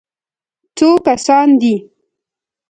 _څو کسان دي؟